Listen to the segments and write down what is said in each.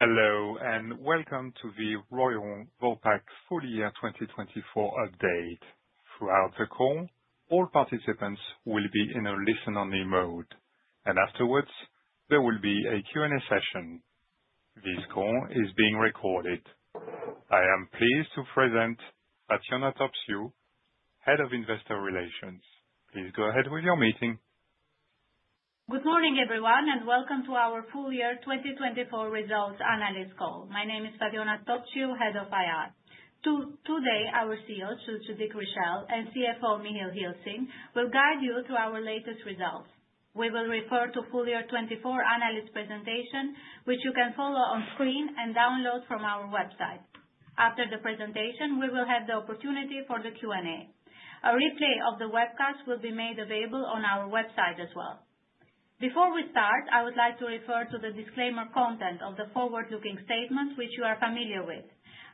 Hello, and welcome to the Royal Vopak Full Year 2024 update. Throughout the call, all participants will be in a listen-only mode, and afterwards, there will be a Q&A session. This call is being recorded. I am pleased to present Fatjona Topciu, Head of Investor Relations. Please go ahead with your meeting. Good morning, everyone, and welcome to our Full Year 2024 Results Analyst Call. My name is Fatjona Topciu, Head of IR. Today, our CEO, Dick Richelle, and CFO, Michiel Gilsing, will guide you through our latest results. We will refer to Full Year 2024 analyst presentation, which you can follow on screen and download from our website. After the presentation, we will have the opportunity for the Q&A. A replay of the webcast will be made available on our website as well. Before we start, I would like to refer to the disclaimer content of the forward-looking statements, which you are familiar with.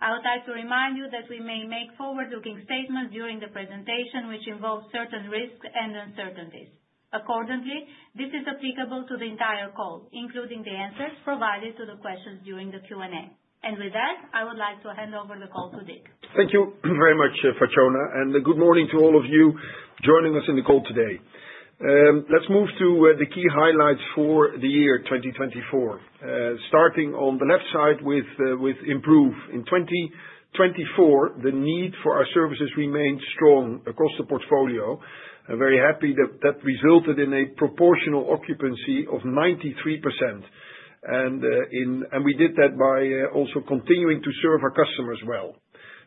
I would like to remind you that we may make forward-looking statements during the presentation, which involve certain risks and uncertainties. Accordingly, this is applicable to the entire call, including the answers provided to the questions during the Q&A. With that, I would like to hand over the call to Dick. Thank you very much, Fatjona, and good morning to all of you joining us in the call today. Let's move to the key highlights for the year 2024. Starting on the left side with improve. In 2024, the need for our services remained strong across the portfolio. I'm very happy that that resulted in a proportional occupancy of 93%, and we did that by also continuing to serve our customers well.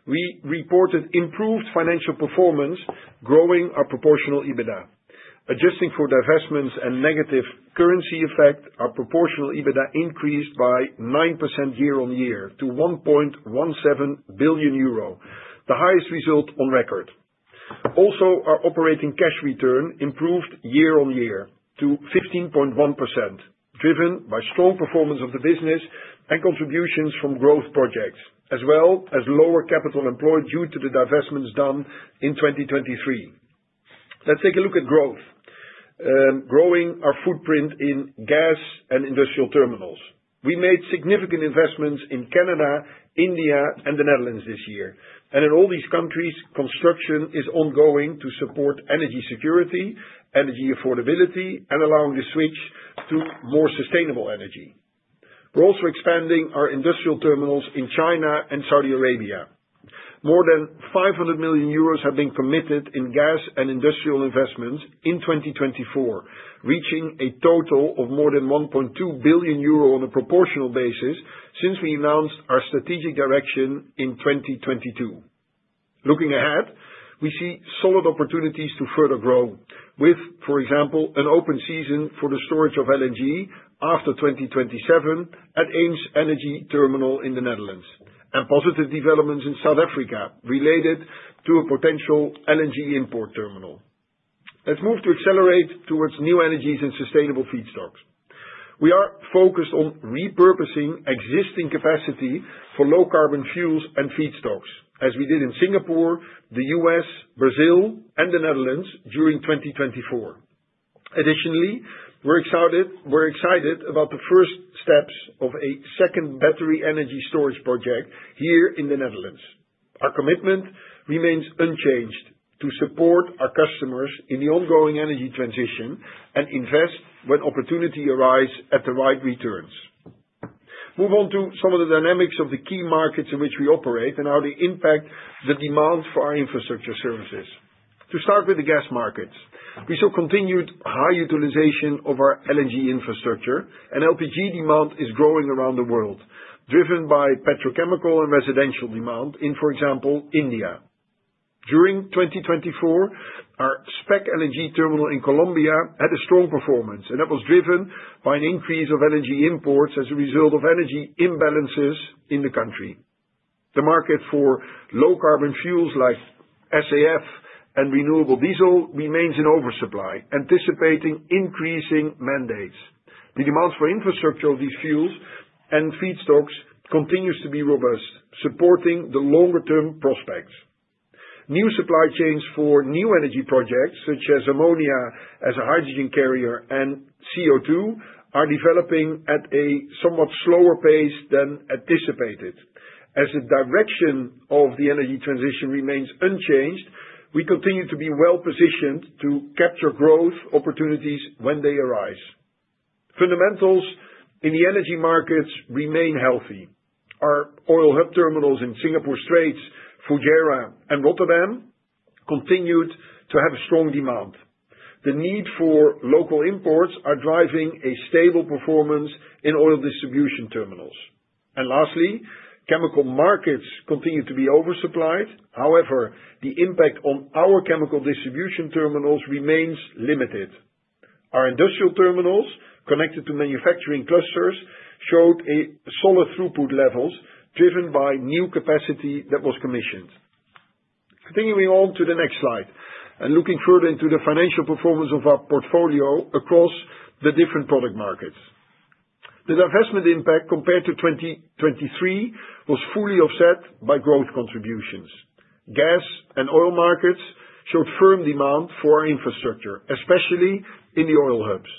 We reported improved financial performance, growing our proportional EBITDA. Adjusting for divestments and negative currency effect, our proportional EBITDA increased by 9% year-on-year to 1.17 billion euro, the highest result on record. Also, our operating cash return improved year-on-year to 15.1%, driven by strong performance of the business and contributions from growth projects, as well as lower capital employed due to the divestments done in 2023. Let's take a look at growth, growing our footprint in gas and industrial terminals. We made significant investments in Canada, India, and the Netherlands this year, and in all these countries, construction is ongoing to support energy security, energy affordability, and allowing the switch to more sustainable energy. We're also expanding our industrial terminals in China and Saudi Arabia. More than 500 million euros have been committed in gas and industrial investments in 2024, reaching a total of more than 1.2 billion euro on a proportional basis since we announced our strategic direction in 2022. Looking ahead, we see solid opportunities to further grow, with, for example, an open season for the storage of LNG after 2027 at EemsEnergyTerminal in the Netherlands, and positive developments in South Africa related to a potential LNG import terminal. Let's move to accelerate towards new energies and sustainable feedstocks. We are focused on repurposing existing capacity for low-carbon fuels and feedstocks, as we did in Singapore, the U.S., Brazil, and the Netherlands during 2024. Additionally, we're excited about the first steps of a second battery energy storage project here in the Netherlands. Our commitment remains unchanged to support our customers in the ongoing energy transition and invest when opportunity arises at the right returns. Move on to some of the dynamics of the key markets in which we operate and how they impact the demand for our infrastructure services. To start with the gas markets, we saw continued high utilization of our LNG infrastructure, and LPG demand is growing around the world, driven by petrochemical and residential demand in, for example, India. During 2024, our SPEC LNG terminal in Colombia had a strong performance, and that was driven by an increase of LNG imports as a result of energy imbalances in the country. The market for low-carbon fuels like SAF and renewable diesel remains in oversupply, anticipating increasing mandates. The demand for infrastructure of these fuels and feedstocks continues to be robust, supporting the longer-term prospects. New supply chains for new energy projects, such as ammonia as a hydrogen carrier and CO2, are developing at a somewhat slower pace than anticipated. As the direction of the energy transition remains unchanged, we continue to be well-positioned to capture growth opportunities when they arise. Fundamentals in the energy markets remain healthy. Our oil hub terminals in Singapore Straits, Fujairah, and Rotterdam continued to have strong demand. The need for local imports is driving a stable performance in oil distribution terminals. Lastly, chemical markets continue to be oversupplied. However, the impact on our chemical distribution terminals remains limited. Our industrial terminals, connected to manufacturing clusters, showed solid throughput levels, driven by new capacity that was commissioned. Continuing on to the next slide and looking further into the financial performance of our portfolio across the different product markets. The divestment impact compared to 2023 was fully offset by growth contributions. Gas and oil markets showed firm demand for our infrastructure, especially in the oil hubs.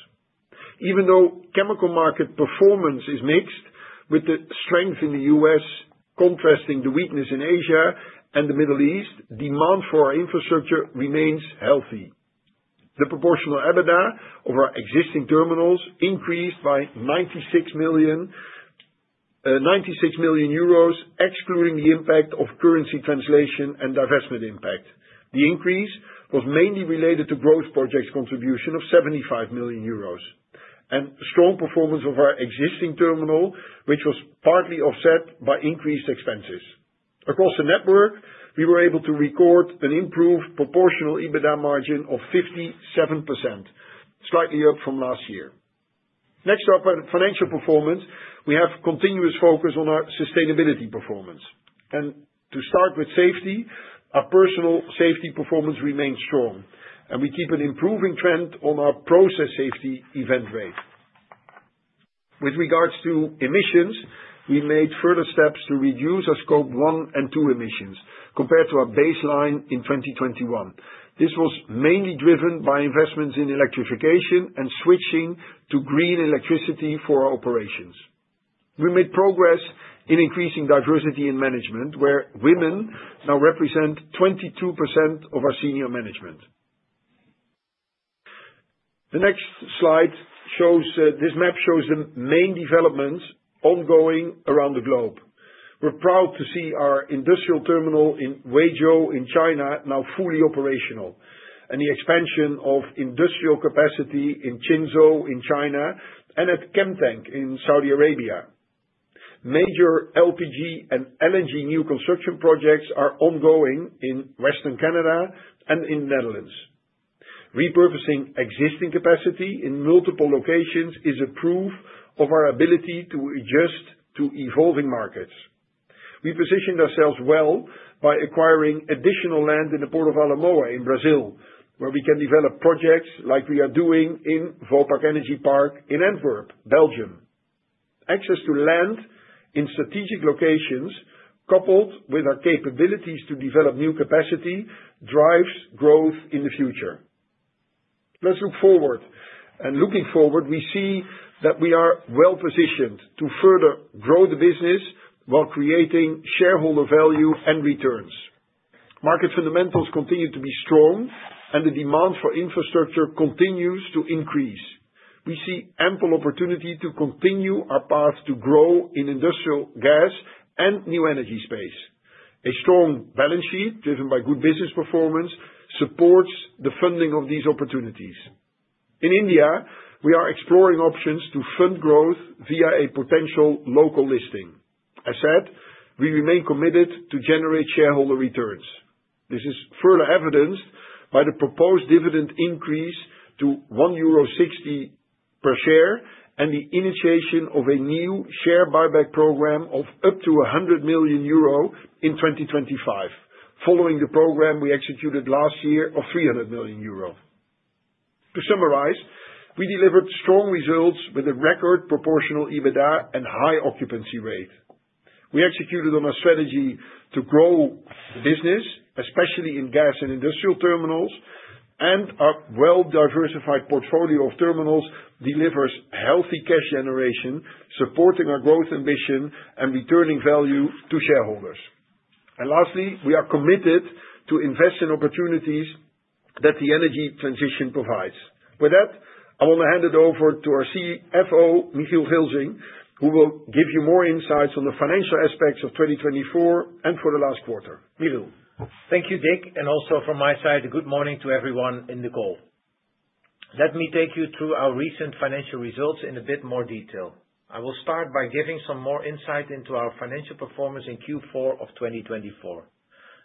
Even though chemical market performance is mixed, with the strength in the U.S. contrasting the weakness in Asia and the Middle East, demand for our infrastructure remains healthy. The proportional EBITDA of our existing terminals increased by 96 million euros excluding the impact of currency translation and divestment impact. The increase was mainly related to growth projects' contribution of 75 million euros, and strong performance of our existing terminal, which was partly offset by increased expenses. Across the network, we were able to record an improved proportional EBITDA margin of 57%, slightly up from last year. Next up, on financial performance, we have continuous focus on our sustainability performance. And to start with safety, our personal safety performance remains strong, and we keep an improving trend on our process safety event rate. With regards to emissions, we made further steps to reduce our Scope 1 and 2 emissions compared to our baseline in 2021. This was mainly driven by investments in electrification and switching to green electricity for our operations. We made progress in increasing diversity in management, where women now represent 22% of our senior management. The next slide shows. This map shows the main developments ongoing around the globe. We're proud to see our industrial terminal in Huizhou in China now fully operational, and the expansion of industrial capacity in Qinzhou in China and at Chemtank in Saudi Arabia. Major LPG and LNG new construction projects are ongoing in Western Canada and in the Netherlands. Repurposing existing capacity in multiple locations is a proof of our ability to adjust to evolving markets. We positioned ourselves well by acquiring additional land in the Port of Alemoa in Brazil, where we can develop projects like we are doing in Vopak Energy Park in Antwerp, Belgium. Access to land in strategic locations, coupled with our capabilities to develop new capacity, drives growth in the future. Let's look forward, and looking forward, we see that we are well-positioned to further grow the business while creating shareholder value and returns. Market fundamentals continue to be strong, and the demand for infrastructure continues to increase. We see ample opportunity to continue our path to grow in industrial gas and new energy space. A strong balance sheet, driven by good business performance, supports the funding of these opportunities. In India, we are exploring options to fund growth via a potential local listing. As said, we remain committed to generate shareholder returns. This is further evidenced by the proposed dividend increase to 1.60 euro per share and the initiation of a new share buyback program of up to 100 million euro in 2025, following the program we executed last year of 300 million euro. To summarize, we delivered strong results with a record proportional EBITDA and high occupancy rate. We executed on our strategy to grow the business, especially in gas and industrial terminals, and our well-diversified portfolio of terminals delivers healthy cash generation, supporting our growth ambition and returning value to shareholders, and lastly, we are committed to invest in opportunities that the energy transition provides. With that, I want to hand it over to our CFO, Michiel Gilsing, who will give you more insights on the financial aspects of 2024 and for the last quarter. Michiel. Thank you, Dick. Also from my side, good morning to everyone in the call. Let me take you through our recent financial results in a bit more detail. I will start by giving some more insight into our financial performance in Q4 of 2024.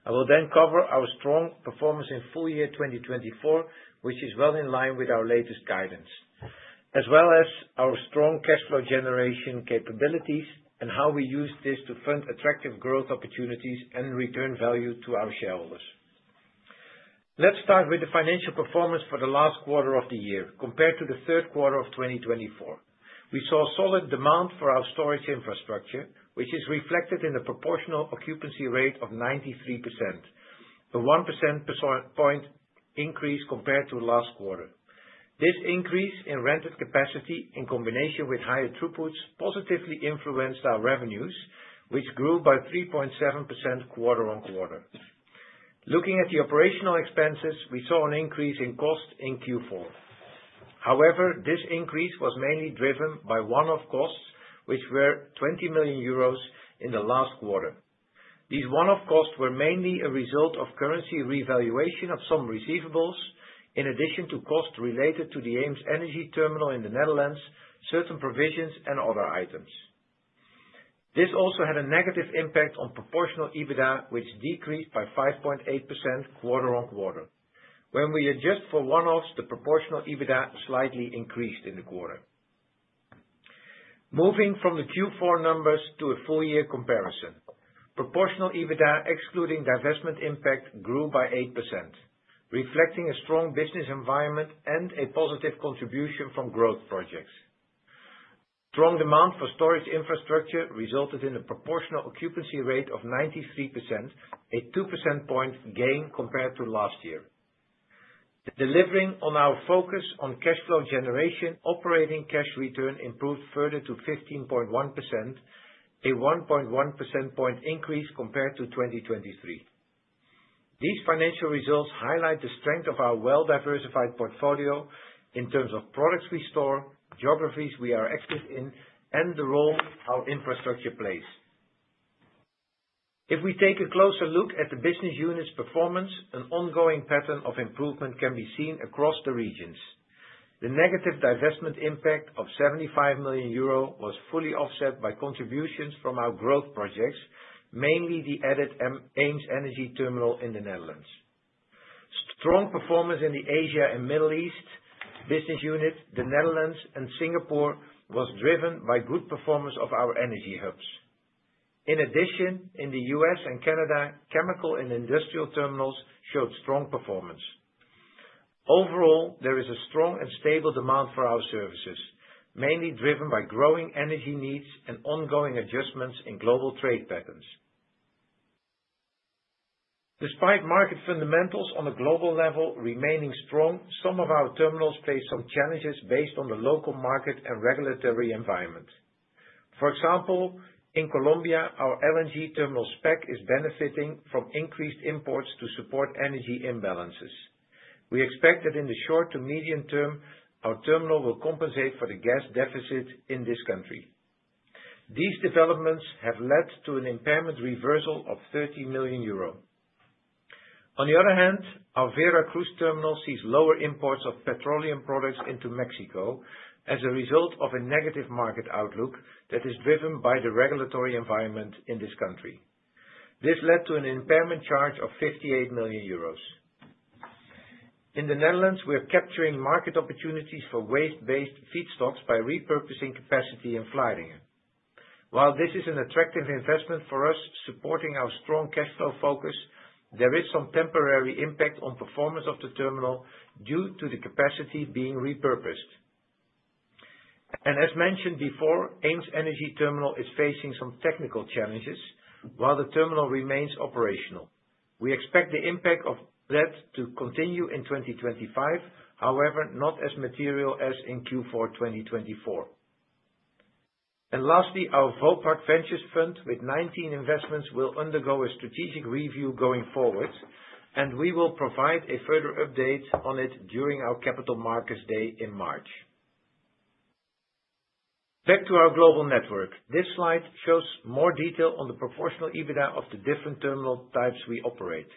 I will then cover our strong performance in Full Year 2024, which is well in line with our latest guidance, as well as our strong cash flow generation capabilities and how we use this to fund attractive growth opportunities and return value to our shareholders. Let's start with the financial performance for the last quarter of the year. Compared to the third quarter of 2024, we saw solid demand for our storage infrastructure, which is reflected in a proportional occupancy rate of 93%, a 1 percentage point increase compared to last quarter. This increase in rented capacity, in combination with higher throughputs, positively influenced our revenues, which grew by 3.7% quarter on quarter. Looking at the operational expenses, we saw an increase in cost in Q4. However, this increase was mainly driven by one-off costs, which were 20 million euros in the last quarter. These one-off costs were mainly a result of currency revaluation of some receivables, in addition to costs related to the EemsEnergyTerminal in the Netherlands, certain provisions, and other items. This also had a negative impact on proportional EBITDA, which decreased by 5.8% quarter on quarter. When we adjust for one-offs, the proportional EBITDA slightly increased in the quarter. Moving from the Q4 numbers to a full year comparison, proportional EBITDA, excluding divestment impact, grew by 8%, reflecting a strong business environment and a positive contribution from growth projects. Strong demand for storage infrastructure resulted in a proportional occupancy rate of 93%, a 2 percentage point gain compared to last year. Delivering on our focus on cash flow generation, operating cash return improved further to 15.1%, a 1.1 percentage point increase compared to 2023. These financial results highlight the strength of our well-diversified portfolio in terms of products we store, geographies we are active in, and the role our infrastructure plays. If we take a closer look at the business unit's performance, an ongoing pattern of improvement can be seen across the regions. The negative divestment impact of 75 million euro was fully offset by contributions from our growth projects, mainly the added EemsEnergyTerminal in the Netherlands. Strong performance in the Asia and Middle East business unit, the Netherlands and Singapore, was driven by good performance of our energy hubs. In addition, in the U.S. and Canada, chemical and industrial terminals showed strong performance. Overall, there is a strong and stable demand for our services, mainly driven by growing energy needs and ongoing adjustments in global trade patterns. Despite market fundamentals on a global level remaining strong, some of our terminals face some challenges based on the local market and regulatory environment. For example, in Colombia, our LNG terminal SPEC is benefiting from increased imports to support energy imbalances. We expect that in the short to medium term, our terminal will compensate for the gas deficit in this country. These developments have led to an impairment reversal of 30 million euro. On the other hand, our Veracruz terminal sees lower imports of petroleum products into Mexico as a result of a negative market outlook that is driven by the regulatory environment in this country. This led to an impairment charge of 58 million euros. In the Netherlands, we are capturing market opportunities for waste-based feedstocks by repurposing capacity in Vlaardingen. While this is an attractive investment for us, supporting our strong cash flow focus, there is some temporary impact on performance of the terminal due to the capacity being repurposed. And as mentioned before, EemsEnergyTerminal is facing some technical challenges while the terminal remains operational. We expect the impact of that to continue in 2025, however, not as material as in Q4 2024. And lastly, our Vopak Ventures Fund, with 19 investments, will undergo a strategic review going forward, and we will provide a further update on it during our Capital Markets Day in March. Back to our global network. This slide shows more detail on the proportional EBITDA of the different terminal types we operate.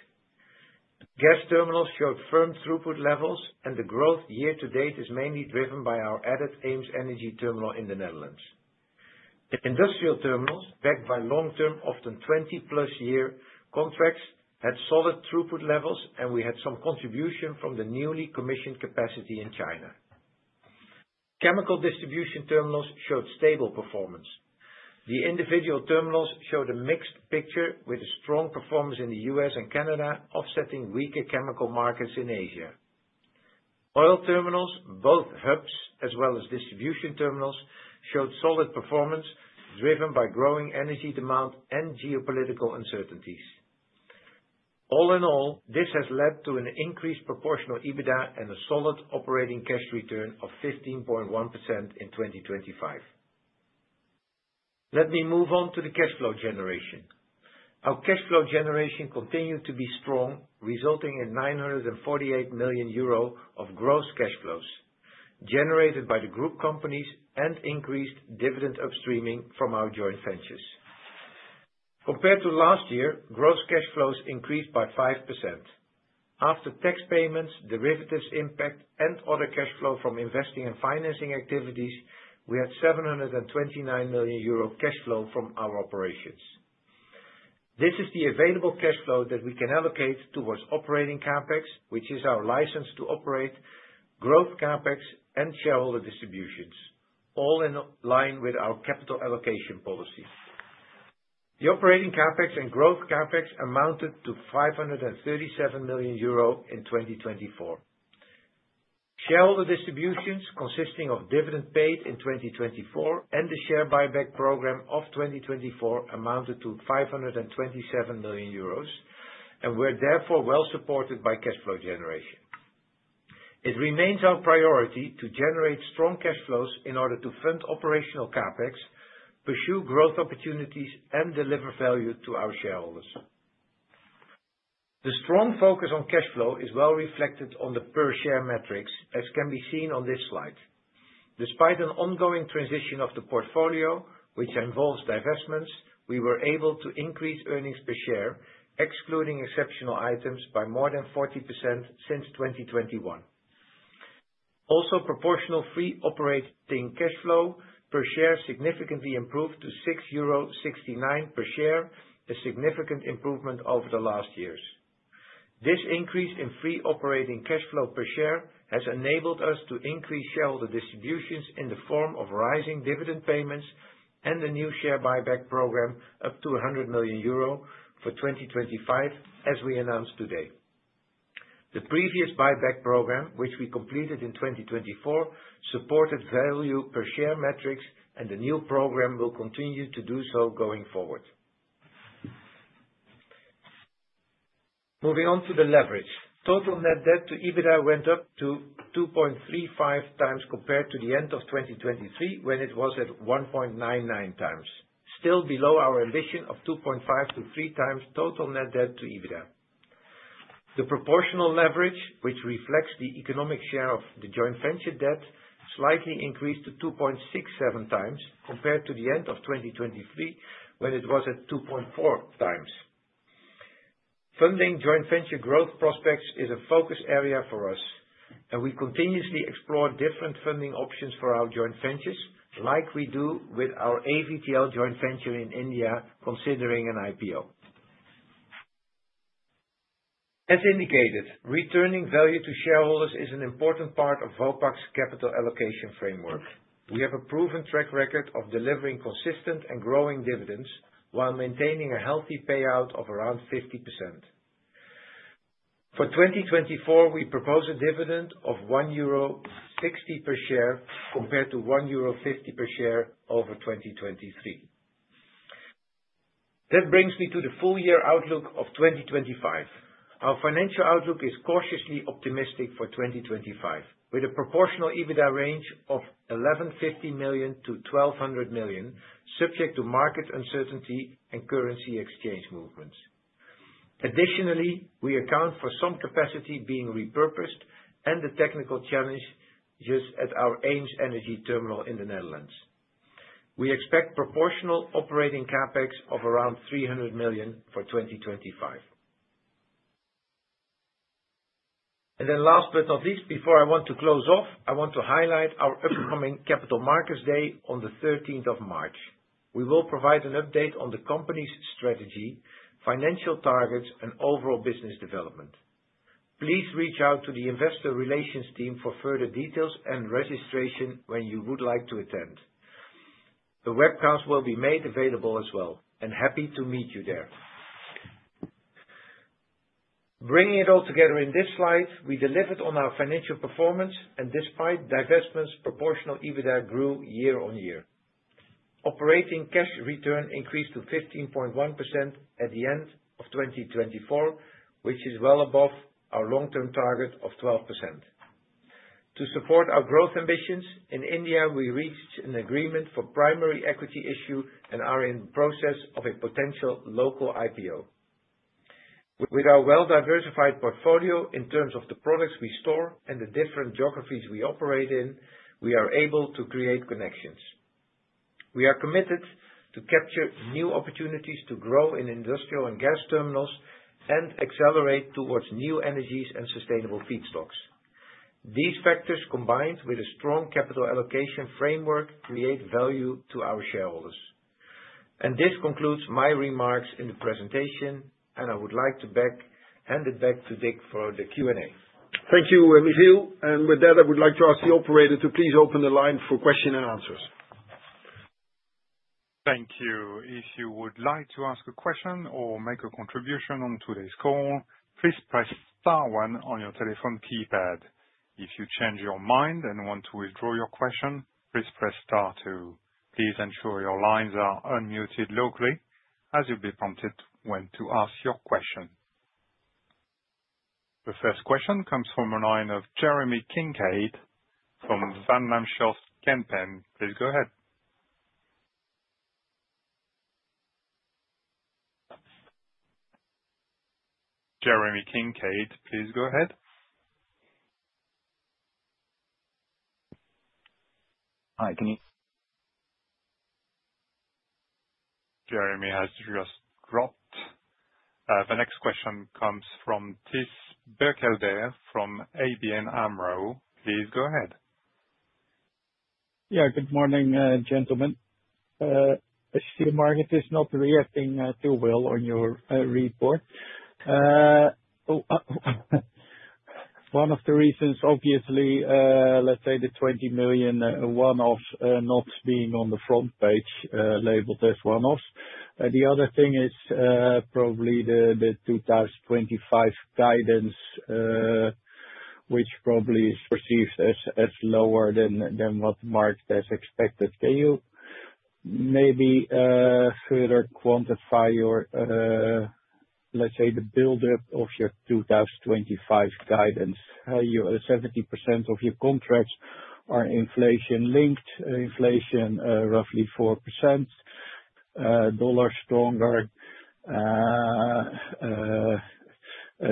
Gas terminals showed firm throughput levels, and the growth year to date is mainly driven by our added EemsEnergyTerminal in the Netherlands. Industrial terminals, backed by long-term, often 20-plus year contracts, had solid throughput levels, and we had some contribution from the newly commissioned capacity in China. Chemical distribution terminals showed stable performance. The individual terminals showed a mixed picture with a strong performance in the U.S. and Canada, offsetting weaker chemical markets in Asia. Oil terminals, both hubs as well as distribution terminals, showed solid performance driven by growing energy demand and geopolitical uncertainties. All in all, this has led to an increased proportional EBITDA and a solid operating cash return of 15.1% in 2025. Let me move on to the cash flow generation. Our cash flow generation continued to be strong, resulting in 948 million euro of gross cash flows generated by the group companies and increased dividend upstreaming from our joint ventures. Compared to last year, gross cash flows increased by 5%. After tax payments, derivatives impact, and other cash flow from investing and financing activities, we had 729 million euro cash flow from our operations. This is the available cash flow that we can allocate towards Operating CapEx, which is our license to operate, Growth CapEx, and shareholder distributions, all in line with our capital allocation policy. The Operating CapEx and Growth CapEx amounted to 537 million euro in 2024. Shareholder distributions, consisting of dividend paid in 2024 and the share buyback program of 2024, amounted to 527 million euros, and were therefore well supported by cash flow generation. It remains our priority to generate strong cash flows in order to fund Operating CapEx, pursue growth opportunities, and deliver value to our shareholders. The strong focus on cash flow is well reflected on the per-share metrics, as can be seen on this slide. Despite an ongoing transition of the portfolio, which involves divestments, we were able to increase earnings per share, excluding exceptional items, by more than 40% since 2021. Also, proportional free operating cash flow per share significantly improved to 6.69 euro per share, a significant improvement over the last years. This increase in free operating cash flow per share has enabled us to increase shareholder distributions in the form of rising dividend payments and a new share buyback program up to 100 million euro for 2025, as we announced today. The previous buyback program, which we completed in 2024, supported value per share metrics, and the new program will continue to do so going forward. Moving on to the leverage. Total net debt to EBITDA went up to 2.35 times compared to the end of 2023, when it was at 1.99 times, still below our ambition of 2.5-3 times total net debt to EBITDA. The proportional leverage, which reflects the economic share of the joint venture debt, slightly increased to 2.67 times compared to the end of 2023, when it was at 2.4 times. Funding joint venture growth prospects is a focus area for us, and we continuously explore different funding options for our joint ventures, like we do with our AVTL joint venture in India, considering an IPO. As indicated, returning value to shareholders is an important part of Vopak's capital allocation framework. We have a proven track record of delivering consistent and growing dividends while maintaining a healthy payout of around 50%. For 2024, we propose a dividend of 1.60 euro per share compared to 1.50 euro per share over 2023. That brings me to the full year outlook of 2025. Our financial outlook is cautiously optimistic for 2025, with a proportional EBITDA range of 1,150 million - 1,200 million, subject to market uncertainty and currency exchange movements. Additionally, we account for some capacity being repurposed and the technical challenges at our EemsEnergyTerminal in the Netherlands. We expect proportional Operating CapEx of around 300 million for 2025. And then last but not least, before I want to close off, I want to highlight our upcoming Capital Markets Day on the 13th March. We will provide an update on the company's strategy, financial targets, and overall business development. Please reach out to the investor relations team for further details and registration when you would like to attend. The webcast will be made available as well, and happy to meet you there. Bringing it all together in this slide, we delivered on our financial performance, and despite divestments, proportional EBITDA grew year on year. Operating cash return increased to 15.1% at the end of 2024, which is well above our long-term target of 12%. To support our growth ambitions in India, we reached an agreement for primary equity issue and are in the process of a potential local IPO. With our well-diversified portfolio in terms of the products we store and the different geographies we operate in, we are able to create connections. We are committed to capture new opportunities to grow in industrial and gas terminals and accelerate towards new energies and sustainable feedstocks. These factors, combined with a strong capital allocation framework, create value to our shareholders. And this concludes my remarks in the presentation, and I would like to hand it back to Dick for the Q&A. Thank you, Michiel. And with that, I would like to ask the operator to please open the line for questions and answers. Thank you. If you would like to ask a question or make a contribution on today's call, please press Star one on your telephone keypad. If you change your mind and want to withdraw your question, please press Star two. Please ensure your lines are unmuted locally as you'll be prompted when to ask your question. The first question comes from a line of Jeremy Kincaid from Van Lanschot Kempen. Please go ahead. Jeremy Kincaid, please go ahead. Hi, can you? Jeremy has just dropped. The next question comes from Thijs Berkelder from ABN AMRO. Please go ahead. Yeah, good morning, gentlemen. I see the market is not reacting too well on your report. One of the reasons, obviously, let's say the 20 million one-off not being on the front page labeled as one-off. The other thing is probably the 2025 guidance, which probably is perceived as lower than what the market has expected. Can you maybe further quantify your, let's say, the build-up of your 2025 guidance? 70% of your contracts are inflation-linked, inflation roughly 4%, dollar stronger,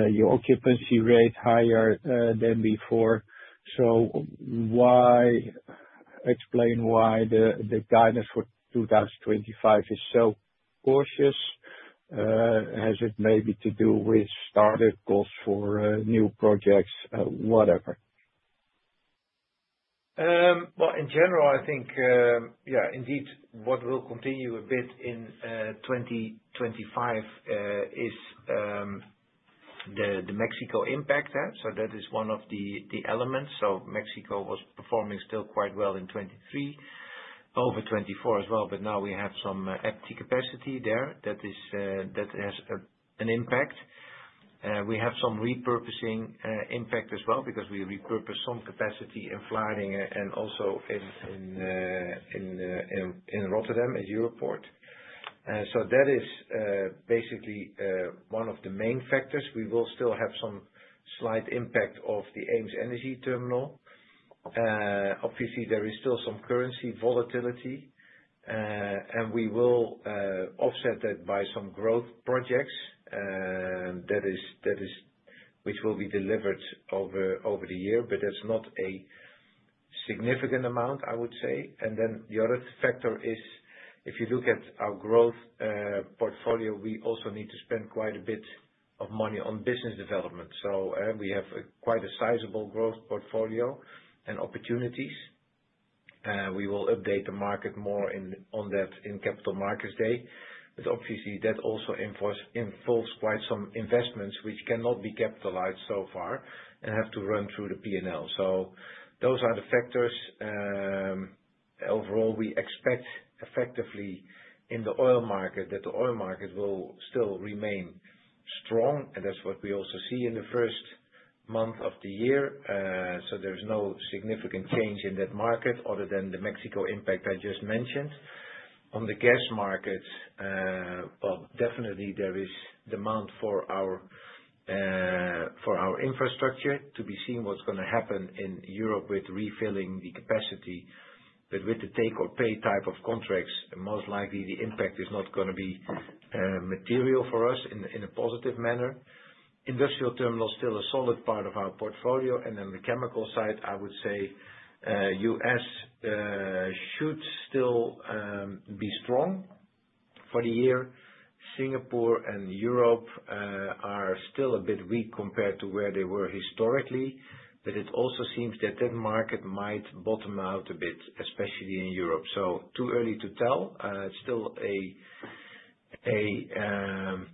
your occupancy rate higher than before. So explain why the guidance for 2025 is so cautious. Has it maybe to do with startup costs for new projects, whatever? Well, in general, I think, yeah, indeed, what will continue a bit in 2025 is the Mexico impact. So that is one of the elements. So Mexico was performing still quite well in 2023, over 2024 as well, but now we have some empty capacity there that has an impact. We have some repurposing impact as well because we repurpose some capacity in Vlaardingen and also in Rotterdam at Europoort. So that is basically one of the main factors. We will still have some slight impact of the EemsEnergyTerminal. Obviously, there is still some currency volatility, and we will offset that by some growth projects which will be delivered over the year, but that's not a significant amount, I would say. And then the other factor is, if you look at our growth portfolio, we also need to spend quite a bit of money on business development. So we have quite a sizable growth portfolio and opportunities. We will update the market more on that in Capital Markets Day. But obviously, that also involves quite some investments which cannot be capitalized so far and have to run through the P&L. So those are the factors. Overall, we expect effectively in the oil market that the oil market will still remain strong, and that's what we also see in the first month of the year. So there's no significant change in that market other than the Mexico impact I just mentioned. On the gas market, well, definitely there is demand for our infrastructure. To be seen what's going to happen in Europe with refilling the capacity. But with the take-or-pay type of contracts, most likely the impact is not going to be material for us in a positive manner. Industrial terminal is still a solid part of our portfolio. And then the chemical side, I would say U.S. should still be strong for the year. Singapore and Europe are still a bit weak compared to where they were historically. But it also seems that the market might bottom out a bit, especially in Europe. So too early to tell. It's still a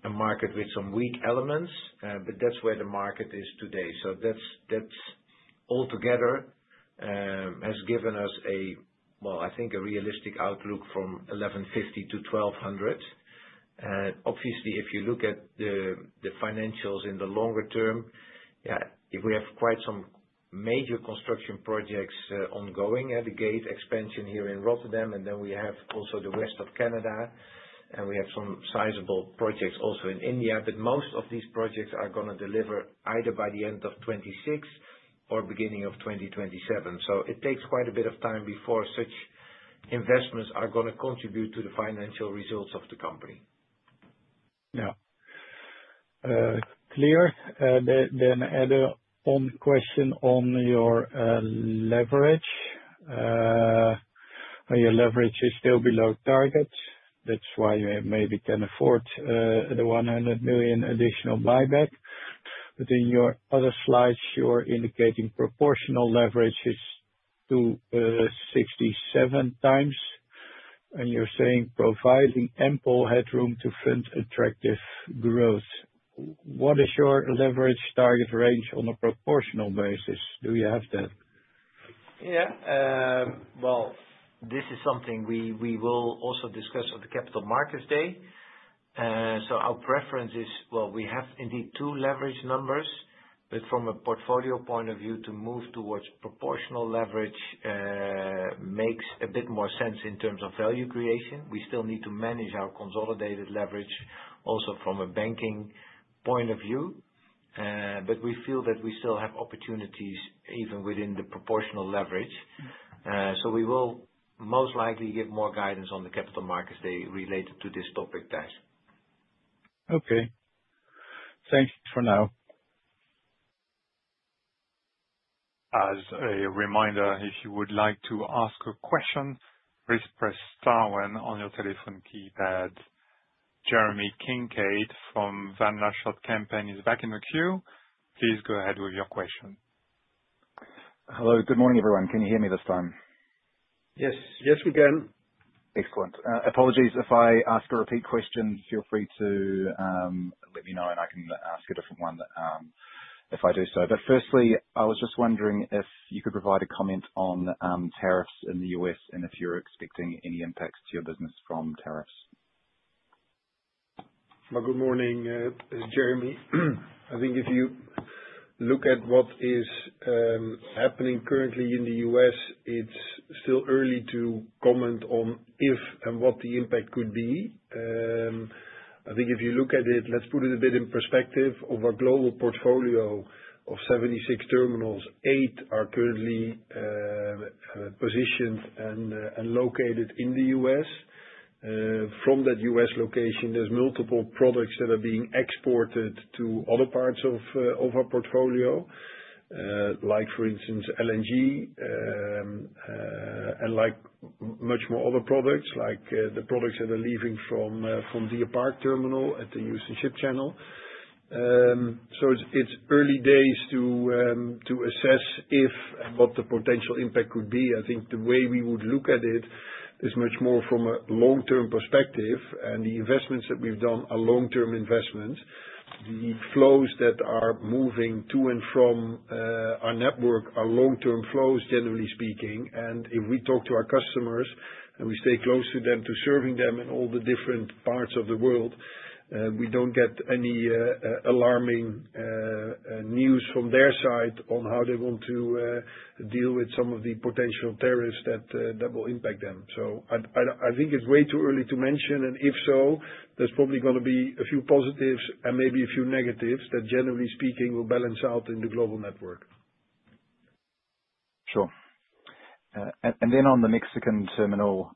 market with some weak elements, but that's where the market is today. So that altogether has given us a, well, I think a realistic outlook from 1,150-1,200. Obviously, if you look at the financials in the longer term, yeah, we have quite some major construction projects ongoing at the Gate expansion here in Rotterdam, and then we have also the rest of Canada, and we have some sizable projects also in India. But most of these projects are going to deliver either by the end of 2026 or beginning of 2027. So it takes quite a bit of time before such investments are going to contribute to the financial results of the company. Yeah. Clear. Then add-on question on your leverage. Your leverage is still below target. That's why you maybe can afford the 100 million additional buyback. But in your other slides, you're indicating proportional leverage is 2.67 times, and you're saying providing ample headroom to fund attractive growth. What is your leverage target range on a proportional basis? Do you have that? Yeah. Well, this is something we will also discuss at the Capital Markets Day. So our preference is, well, we have indeed two leverage numbers, but from a portfolio point of view, to move towards proportional leverage makes a bit more sense in terms of value creation. We still need to manage our consolidated leverage also from a banking point of view, but we feel that we still have opportunities even within the proportional leverage. So we will most likely give more guidance on the Capital Markets Day related to this topic. Okay. Thanks for now. As a reminder, if you would like to ask a question, please press Star 1 on your telephone keypad. Jeremy Kincaid from Van Lanschot Kempen is back in the queue. Please go ahead with your question. Hello. Good morning, everyone. Can you hear me this time? Yes. Yes, we can. Excellent. Apologies. If I ask a repeat question, feel free to let me know, and I can ask a different one if I do so. But firstly, I was just wondering if you could provide a comment on tariffs in the U.S. and if you're expecting any impacts to your business from tariffs. Good morning, Jeremy. I think if you look at what is happening currently in the U.S., it's still early to comment on if and what the impact could be. I think if you look at it, let's put it a bit in perspective. Of our global portfolio of 76 terminals, eight are currently positioned and located in the U.S. From that U.S. location, there's multiple products that are being exported to other parts of our portfolio, like for instance, LNG and much more other products, like the products that are leaving from Deer Park terminal at the Houston Ship Channel. So it's early days to assess if and what the potential impact could be. I think the way we would look at it is much more from a long-term perspective, and the investments that we've done are long-term investments. The flows that are moving to and from our network are long-term flows, generally speaking. And if we talk to our customers and we stay close to them to serving them in all the different parts of the world, we don't get any alarming news from their side on how they want to deal with some of the potential tariffs that will impact them. So I think it's way too early to mention, and if so, there's probably going to be a few positives and maybe a few negatives that, generally speaking, will balance out in the global network. Sure. And then on the Mexican terminal,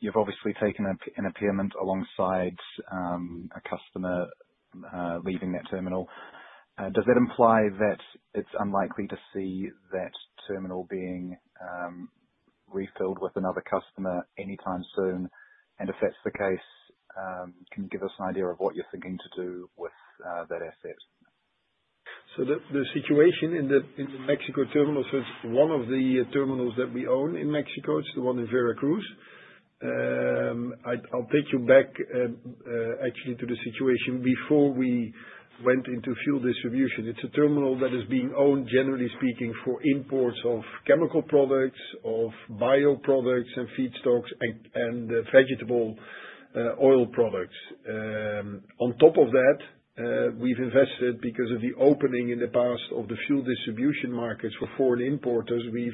you've obviously taken an impairment alongside a customer leaving that terminal. Does that imply that it's unlikely to see that terminal being refilled with another customer anytime soon? And if that's the case, can you give us an idea of what you're thinking to do with that asset? So the situation in the Mexico terminal, so it's one of the terminals that we own in Mexico. It's the one in Veracruz. I'll take you back actually to the situation before we went into fuel distribution. It's a terminal that is being owned, generally speaking, for imports of chemical products, of bio products and feedstocks, and vegetable oil products. On top of that, we've invested because of the opening in the past of the fuel distribution markets for foreign importers. We've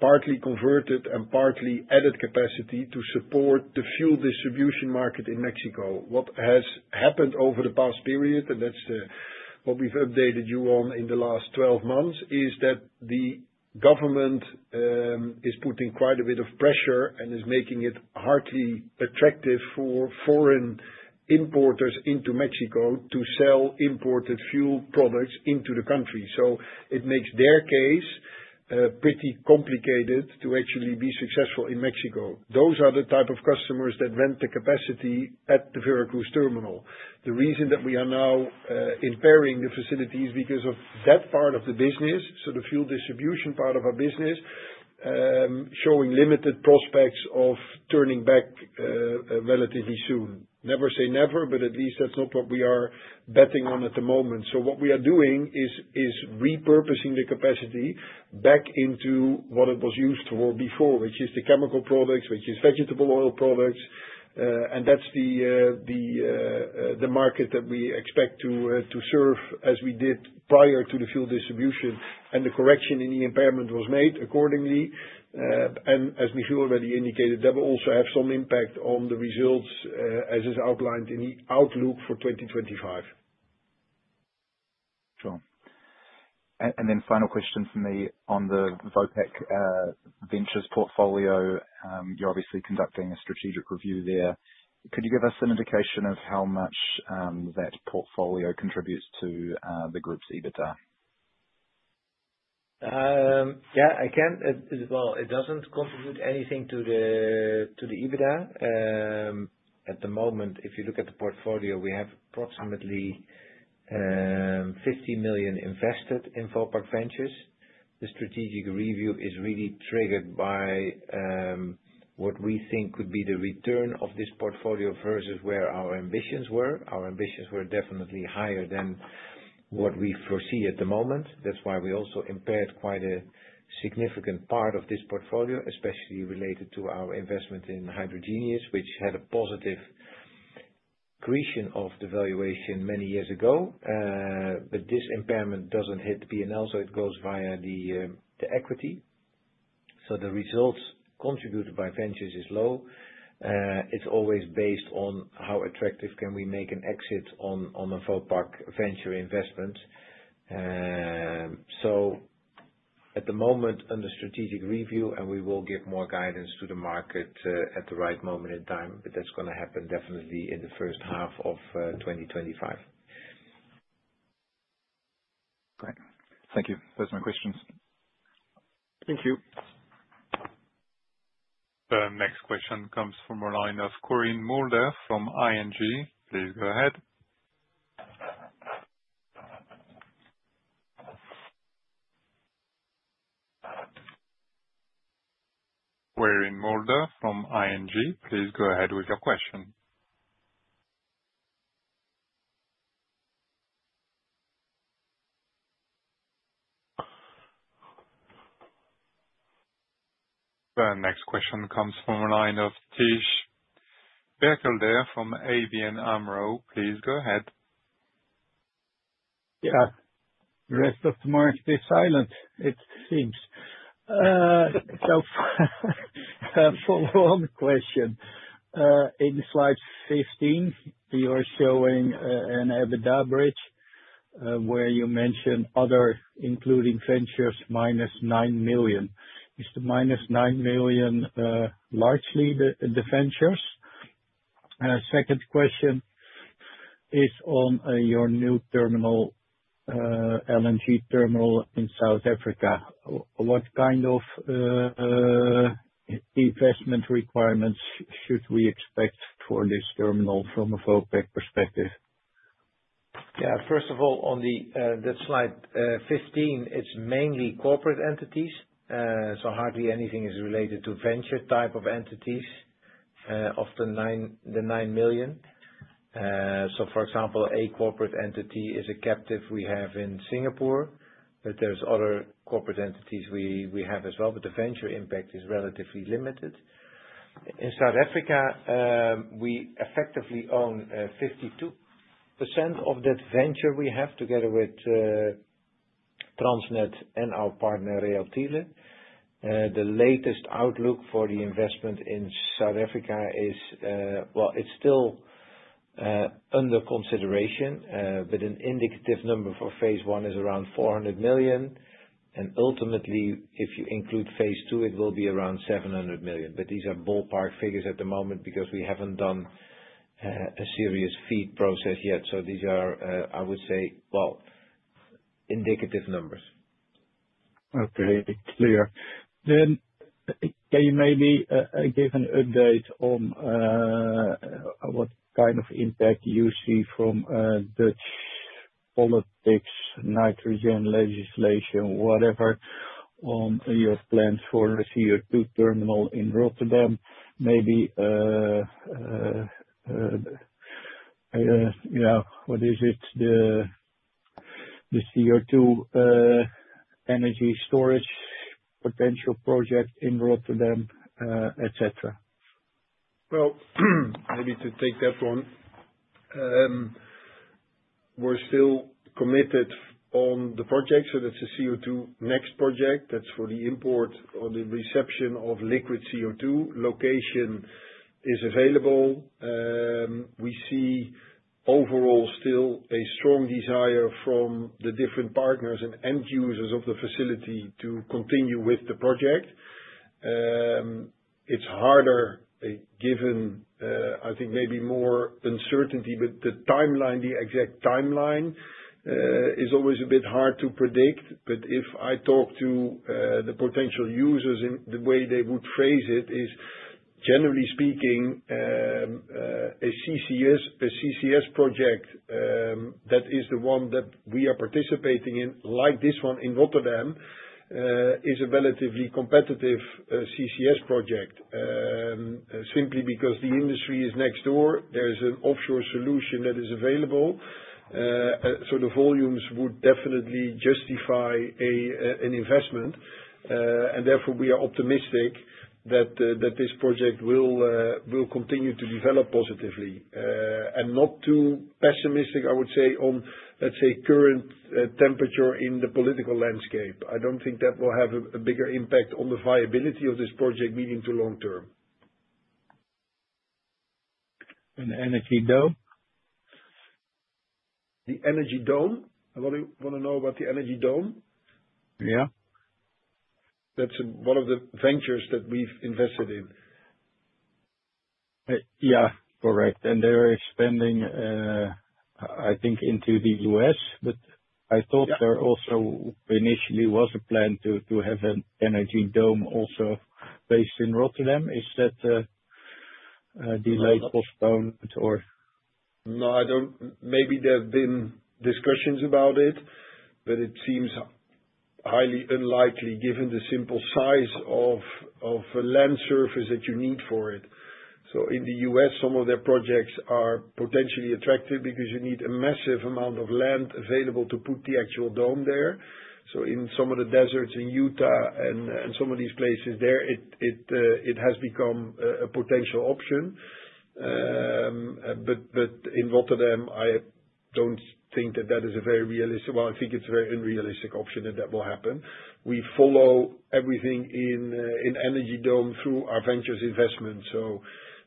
partly converted and partly added capacity to support the fuel distribution market in Mexico. What has happened over the past period, and that's what we've updated you on in the last 12 months, is that the government is putting quite a bit of pressure and is making it hardly attractive for foreign importers into Mexico to sell imported fuel products into the country. So it makes their case pretty complicated to actually be successful in Mexico. Those are the type of customers that rent the capacity at the Veracruz terminal. The reason that we are now impairing the facility is because of that part of the business, so the fuel distribution part of our business, showing limited prospects of turning back relatively soon. Never say never, but at least that's not what we are betting on at the moment. So what we are doing is repurposing the capacity back into what it was used for before, which is the chemical products, which is vegetable oil products. And that's the market that we expect to serve as we did prior to the fuel distribution. And the correction in the impairment was made accordingly. And as Michiel already indicated, that will also have some impact on the results as is outlined in the outlook for 2025. Sure. And then final question for me on the Vopak Ventures portfolio. You're obviously conducting a strategic review there. Could you give us an indication of how much that portfolio contributes to the group's EBITDA? Yeah, I can. Well, it doesn't contribute anything to the EBITDA. At the moment, if you look at the portfolio, we have approximately 50 million invested in Vopak Ventures. The strategic review is really triggered by what we think could be the return of this portfolio versus where our ambitions were. Our ambitions were definitely higher than what we foresee at the moment. That's why we also impaired quite a significant part of this portfolio, especially related to our investment in Hydrogenious, which had a positive creation of the valuation many years ago. But this impairment doesn't hit the P&L, so it goes via the equity. So the results contributed by ventures is low. It's always based on how attractive can we make an exit on a Vopak Venture investment. So at the moment, under strategic review, and we will give more guidance to the market at the right moment in time, but that's going to happen definitely in the first half of 2025. Great. Thank you. Those are my questions. Thank you. The next question comes from Quirijn Mulder from ING. Please go ahead with your question. The next question comes from Thijs Berkelder from ABN AMRO. Please go ahead. Yeah. The rest of the market is silent, it seems. So for one question, in slide 15, you are showing an EBITDA bridge where you mentioned other, including ventures, -9 million. Is the -9 million largely the ventures? Second question is on your new terminal, LNG terminal in South Africa. What kind of investment requirements should we expect for this terminal from a Vopak perspective? Yeah. First of all, on that slide 15, it's mainly corporate entities. So hardly anything is related to venture type of entities of the 9 million. So for example, a corporate entity is a captive we have in Singapore, but there's other corporate entities we have as well. But the venture impact is relatively limited. In South Africa, we effectively own 52% of that venture we have together with Transnet and our partner, Reatile. The latest outlook for the investment in South Africa is, well, it's still under consideration, but an indicative number for phase I is around 400 million. And ultimately, if you include phase II, it will be around 700 million. But these are ballpark figures at the moment because we haven't done a serious FEED process yet. So these are, I would say, well, indicative numbers. Okay. Clear. Then can you maybe give an update on what kind of impact you see from Dutch politics, nitrogen legislation, whatever, on your plans for the CO2 terminal in Rotterdam? Maybe, yeah, what is it, the CO2 energy storage potential project in Rotterdam, etc., well, maybe to take that one, we're still committed on the project. So that's the CO2next project. That's for the import or the reception of liquid CO2. Location is available. We see overall still a strong desire from the different partners and end users of the facility to continue with the project. It's harder given, I think, maybe more uncertainty, but the timeline, the exact timeline is always a bit hard to predict. But if I talk to the potential users, the way they would phrase it is, generally speaking, a CCS project that is the one that we are participating in, like this one in Rotterdam, is a relatively competitive CCS project simply because the industry is next door. There is an offshore solution that is available. So the volumes would definitely justify an investment. And therefore, we are optimistic that this project will continue to develop positively. And not too pessimistic, I would say, on, let's say, current temperature in the political landscape. I don't think that will have a bigger impact on the viability of this project medium to long term. And the Energy Dome? The Energy Dome. I want to know about the Energy Dome. Yeah. That's one of the ventures that we've invested in. Yeah. All right. And they are expanding, I think, into the U.S., but I thought there also initially was a plan to have an Energy Dome also based in Rotterdam. Is that delayed, postponed, or? No, I don't. Maybe there have been discussions about it, but it seems highly unlikely given the simple size of land surface that you need for it. So in the U.S., some of their projects are potentially attractive because you need a massive amount of land available to put the actual dome there. So in some of the deserts in Utah and some of these places there, it has become a potential option. But in Rotterdam, I don't think that is a very realistic well, I think it's a very unrealistic option that will happen. We follow everything in Energy Dome through our ventures investment. So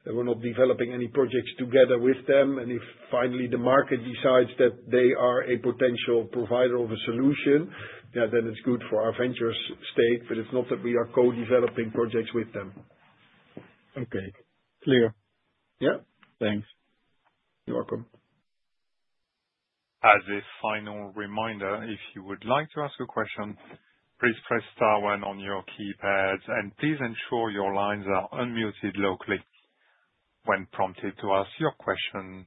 we're not developing any projects together with them. And if finally the market decides that they are a potential provider of a solution, yeah, then it's good for our ventures stake, but it's not that we are co-developing projects with them. Okay. Clear. Yeah. Thanks. You're welcome. As a final reminder, if you would like to ask a question, please press star one on your keypads, and please ensure your lines are unmuted locally when prompted to ask your question.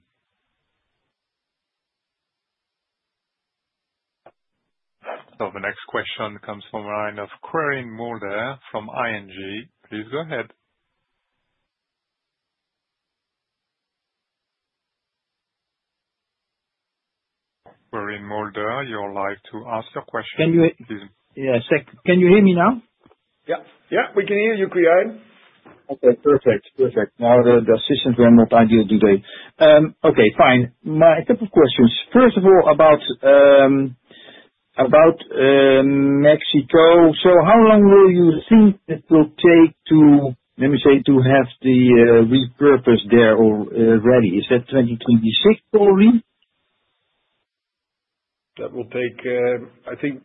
So the next question comes from a line of Quirijn Mulder from ING. Please go ahead. Quirijn Mulder, you're live to ask your question. Can you hear me? Yeah. Can you hear me now? Yeah. Yeah. We can hear you, Quirijn. Okay. Perfect. Perfect. Now the systems were not ideal today. Okay. Fine. My couple of questions. First of all, about Mexico. So how long will you think it will take to, let me say, to have the repurpose there already? Is that 2026, Quirijn? That will take, I think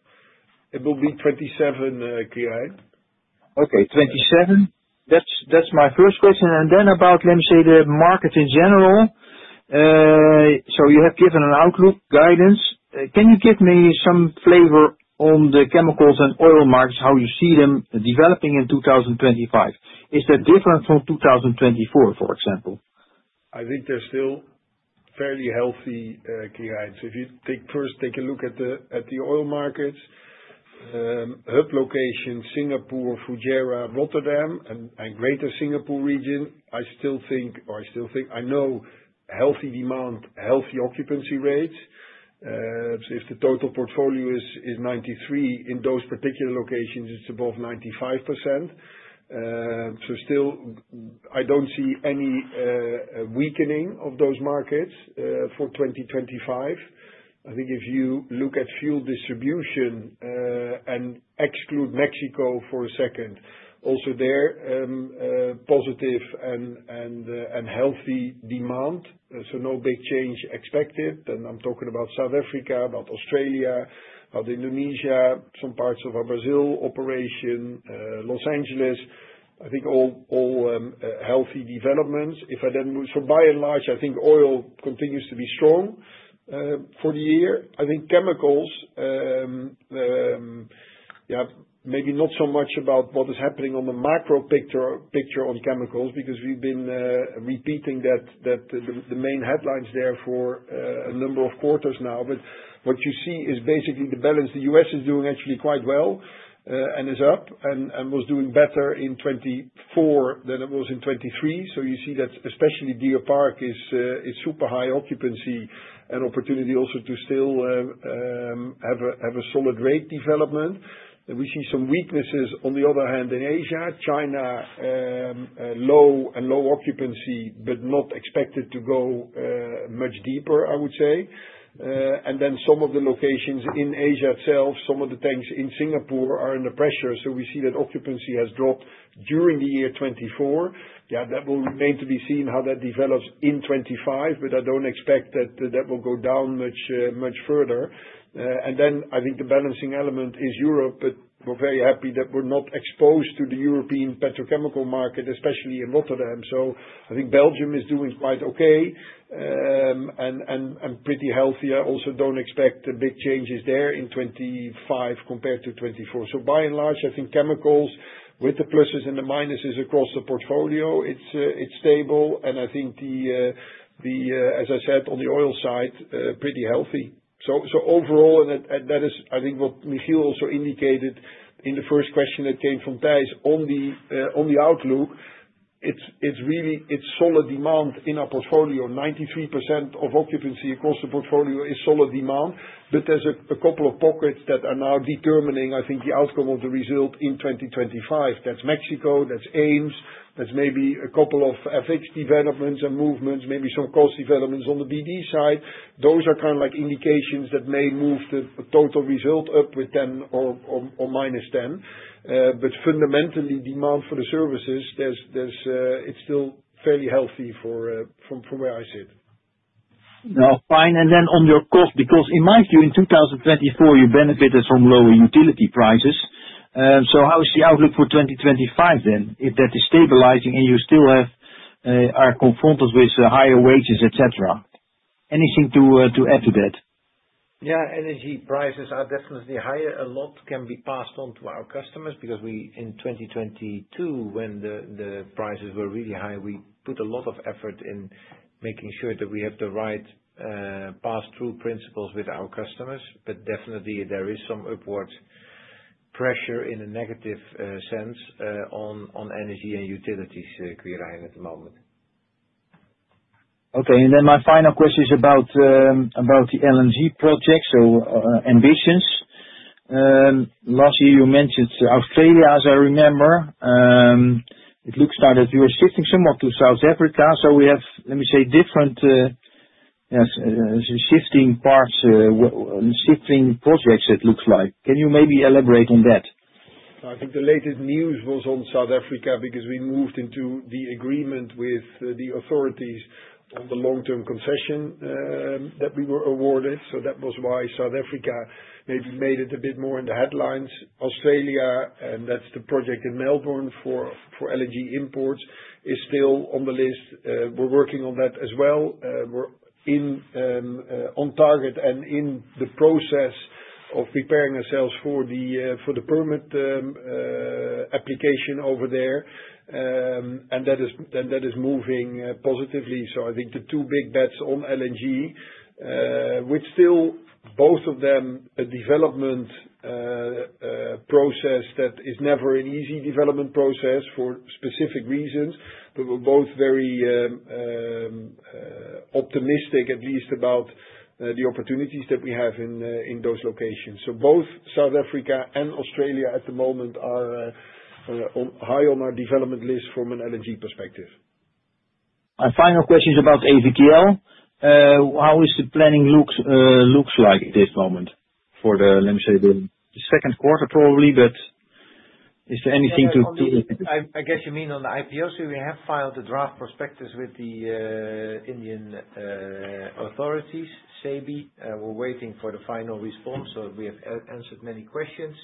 it will be 2027, Quirijn. Okay. 2027. That's my first question. And then about, let me say, the market in general. So you have given an outlook guidance. Can you give me some flavor on the chemicals and oil markets, how you see them developing in 2025? Is that different from 2024, for example? I think they're still fairly healthy, Quirijn. So if you first take a look at the oil markets, hub locations, Singapore, Fujairah, Rotterdam, and greater Singapore region, I still think, or I still think I know healthy demand, healthy occupancy rates. So if the total portfolio is 93%, in those particular locations, it's above 95%. So still, I don't see any weakening of those markets for 2025. I think if you look at fuel distribution and exclude Mexico for a second, also there, positive and healthy demand. So no big change expected. And I'm talking about South Africa, about Australia, about Indonesia, some parts of our Brazil operation, Los Angeles. I think all healthy developments. If I then move, so by and large, I think oil continues to be strong for the year. I think chemicals, yeah, maybe not so much about what is happening on the macro picture on chemicals because we've been repeating that the main headlines there for a number of quarters now. But what you see is basically the balance the U.S. is doing actually quite well and is up and was doing better in 2024 than it was in 2023. So you see that especially Deer Park is super high occupancy and opportunity also to still have a solid rate development. We see some weaknesses on the other hand in Asia. China, low and low occupancy, but not expected to go much deeper, I would say. And then some of the locations in Asia itself, some of the tanks in Singapore are under pressure. So we see that occupancy has dropped during the year 2024. Yeah, that will remain to be seen how that develops in 2025, but I don't expect that that will go down much further. And then I think the balancing element is Europe, but we're very happy that we're not exposed to the European petrochemical market, especially in Rotterdam. So I think Belgium is doing quite okay and pretty healthy. I also don't expect big changes there in 2025 compared to 2024. So by and large, I think chemicals with the pluses and the minuses across the portfolio, it's stable. And I think the, as I said, on the oil side, pretty healthy. So overall, and that is, I think, what Michiel also indicated in the first question that came from Thijs on the outlook, it's solid demand in our portfolio. 93% of occupancy across the portfolio is solid demand, but there's a couple of pockets that are now determining, I think, the outcome of the result in 2025. That's Mexico, that's Eems, that's maybe a couple of FX developments and movements, maybe some cost developments on the BD side. Those are kind of like indications that may move the total result up with 10 or minus 10. But fundamentally, demand for the services, it's still fairly healthy from where I sit. Fine, and then on your cost, because in my view, in 2024, you benefited from lower utility prices. So how is the outlook for 2025 then if that is stabilizing and you still are confronted with higher wages, etc.? Anything to add to that? Yeah. Energy prices are definitely higher. A lot can be passed on to our customers because in 2022, when the prices were really high, we put a lot of effort in making sure that we have the right pass-through principles with our customers. But definitely, there is some upward pressure in a negative sense on energy and utilities, Quirijin, at the moment. Okay. And then my final question is about the LNG project, so ambitions. Last year, you mentioned Australia, as I remember. It looks now that you are shifting somewhat to South Africa. So we have, let me say, different shifting parts, shifting projects, it looks like. Can you maybe elaborate on that? I think the latest news was on South Africa because we moved into the agreement with the authorities on the long-term concession that we were awarded. So that was why South Africa maybe made it a bit more in the headlines. Australia, and that's the project in Melbourne for LNG imports, is still on the list. We're working on that as well. We're on target and in the process of preparing ourselves for the permit application over there. And that is moving positively. So I think the two big bets on LNG, which still, both of them, a development process that is never an easy development process for specific reasons, but we're both very optimistic, at least about the opportunities that we have in those locations. So both South Africa and Australia at the moment are high on our development list from an LNG perspective. My final question is about AVTL. How is the planning looks like at this moment for the, let me say, the second quarter probably, but is there anything to? I guess you mean on the IPO. We have filed the draft prospectus with the Indian authorities, SEBI. We're waiting for the final response. We have answered many questions.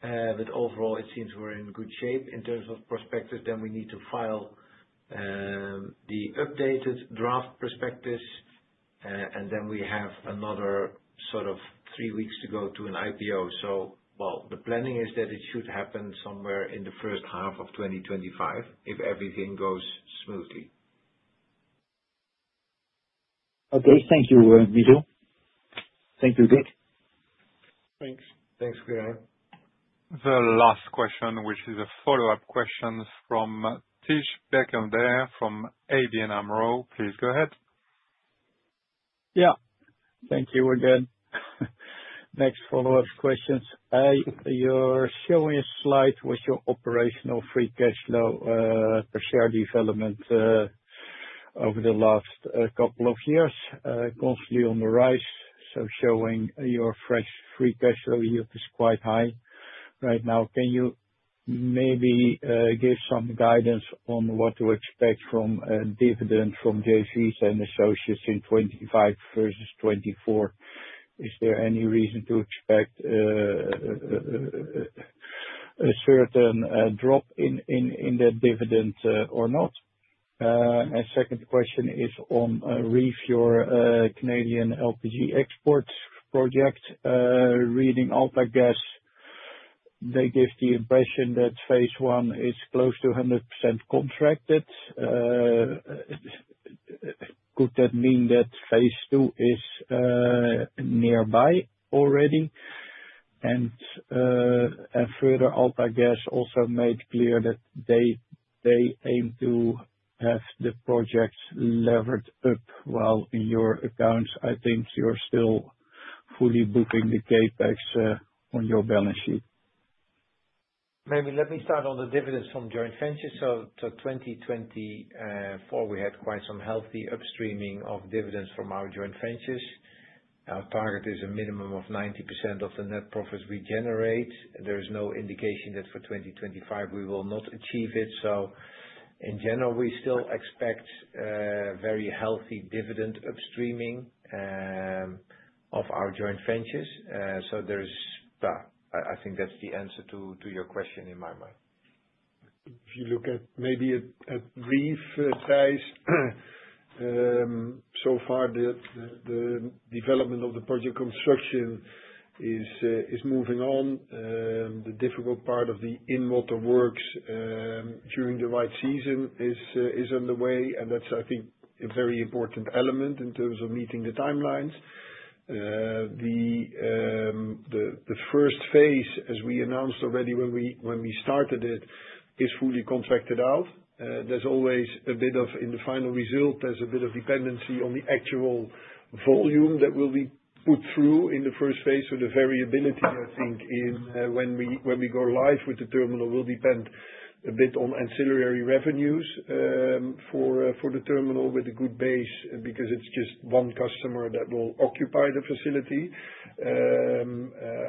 But overall, it seems we're in good shape in terms of prospectus. Then we need to file the updated draft prospectus. And then we have another sort of three weeks to go to an IPO. Well, the planning is that it should happen somewhere in the first half of 2025 if everything goes smoothly. Okay. Thank you, Michiel. Thank you, Dick. Thanks. Thanks, Quirijin. The last question, which is a follow-up question from Thijs Berkelder there from ABN AMRO. Please go ahead. Yeah. Thank you. We're good. Next follow-up questions. You're showing a slide with your operational free cash flow share development over the last couple of years, constantly on the rise. So showing your free free cash flow yield is quite high right now. Can you maybe give some guidance on what to expect from dividend from JVs and associates in 2025 versus 2024? Is there any reason to expect a certain drop in that dividend or not? And second question is on REEF, your Canadian LPG exports project, reading AltaGas. They give the impression that phase I is close to 100% contracted. Could that mean that phase II is nearby already? And further, AltaGas also made clear that they aim to have the projects levered up. Well, in your accounts, I think you're still fully booking the CapEx on your balance sheet. Maybe let me start on the dividends from joint ventures. So 2024, we had quite some healthy upstreaming of dividends from our joint ventures. Our target is a minimum of 90% of the net profits we generate. There is no indication that for 2025, we will not achieve it. So in general, we still expect very healthy dividend upstreaming of our joint ventures. So I think that's the answer to your question in my mind. If you look at maybe at REEF, Thijs, so far, the development of the project construction is moving on. The difficult part of the in-water works during the right season is underway. And that's, I think, a very important element in terms of meeting the timelines. The first phase, as we announced already when we started it, is fully contracted out. There's always a bit of dependency on the actual volume that will be put through in the first phase. So the variability, I think, when we go live with the terminal will depend a bit on ancillary revenues for the terminal with a good base because it's just one customer that will occupy the facility.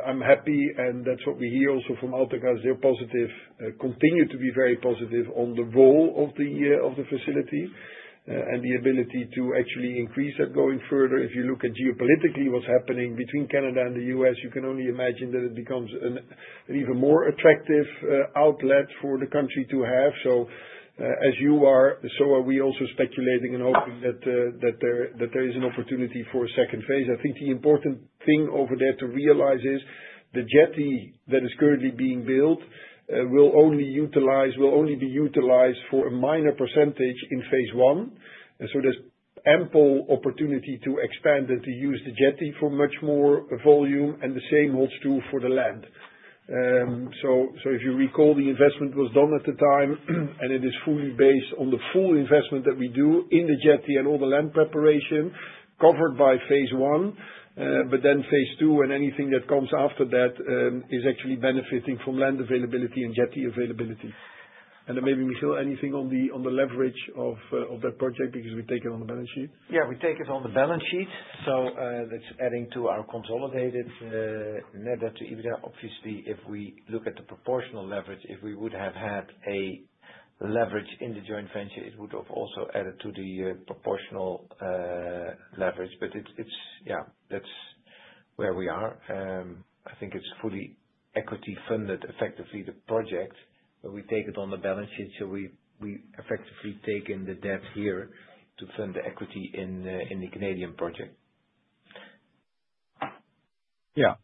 I'm happy, and that's what we hear also from AltaGas. They're positive, continue to be very positive on the role of the facility and the ability to actually increase that going further. If you look at geopolitically, what's happening between Canada and the U.S, you can only imagine that it becomes an even more attractive outlet for the country to have. So as you are, so are we also speculating and hoping that there is an opportunity for a second phase. I think the important thing over there to realize is the jetty that is currently being built will only be utilized for a minor percentage in phase I. And so there's ample opportunity to expand and to use the jetty for much more volume, and the same holds true for the land. So if you recall, the investment was done at the time, and it is fully based on the full investment that we do in the jetty and all the land preparation covered by phase I, but then phase II and anything that comes after that is actually benefiting from land availability and jetty availability. And then maybe, Michiel, anything on the leverage of that project because we take it on the balance sheet? Yeah, we take it on the balance sheet. So that's adding to our consolidated net debt to EBITDA. Obviously, if we look at the proportional leverage, if we would have had a leverage in the joint venture, it would have also added to the proportional leverage. But yeah, that's where we are. I think it's fully equity-funded, effectively, the project, but we take it on the balance sheet. So we effectively take in the debt here to fund the equity in the Canadian project. Yeah.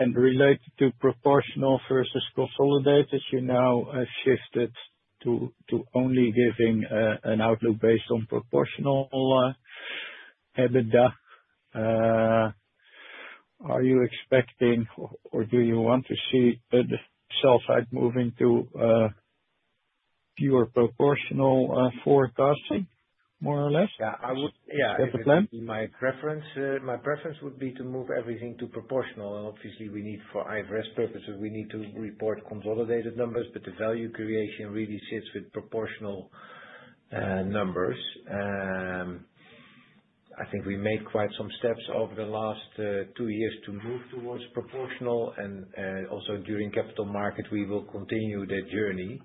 And related to proportional versus consolidated, you now shifted to only giving an outlook based on proportional EBITDA. Are you expecting or do you want to see the sell-side moving to pure proportional forecasting, more or less? Yeah. That's the plan. My preference would be to move everything to proportional. And obviously, for IFRS purposes, we need to report consolidated numbers, but the value creation really sits with proportional numbers. I think we made quite some steps over the last two years to move towards proportional. And also during Capital Markets Day, we will continue that journey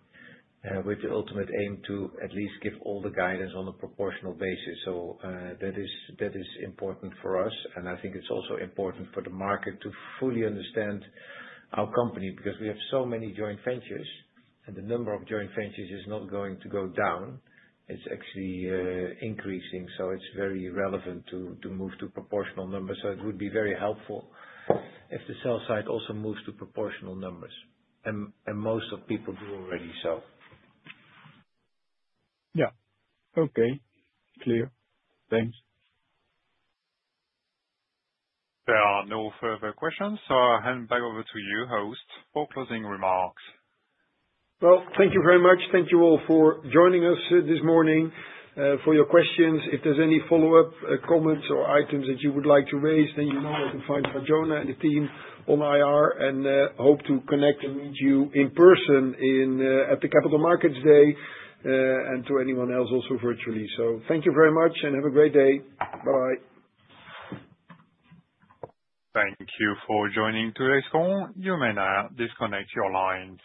with the ultimate aim to at least give all the guidance on a proportional basis. So that is important for us. I think it's also important for the market to fully understand our company because we have so many joint ventures, and the number of joint ventures is not going to go down. It's actually increasing. So it's very relevant to move to proportional numbers. So it would be very helpful if the sell side also moves to proportional numbers. And most of people do already so. Yeah. Okay. Clear. Thanks. There are no further questions. So I'll hand back over to you, Host, for closing remarks. Well, thank you very much. Thank you all for joining us this morning, for your questions. If there's any follow-up comments or items that you would like to raise, then you know where to find Fatjona and the team on IR. And hope to connect and meet you in person at the Capital Markets Day and to anyone else also virtually. So thank you very much and have a great day. Bye-bye. Thank you for joining today's call. You may now disconnect your lines.